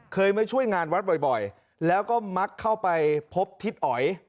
เคยมาช่วยงานวัดบ่อยแล้วก็มักเข้าไปพบทิศอ๋อย